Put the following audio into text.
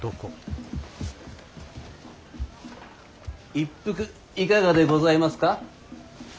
一服いかがでございますか？